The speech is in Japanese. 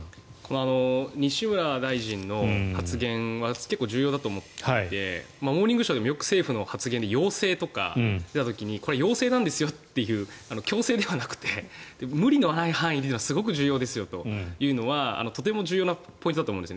西村大臣の発言は結構重要だと思っていて「モーニングショー」でもよく政府の発言で要請とか出た時にこれは要請なんですよっていう強制ではなくて無理のない範囲でがすごく重要ですというのはとても重要なポイントだと思うんです。